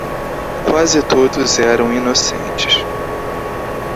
Quase todos eram inocentes.